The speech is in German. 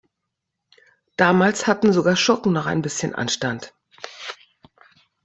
Damals hatten sogar Schurken noch ein bisschen Anstand.